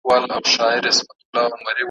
زه لکه زېری نا خبره دي پر خوا راځمه `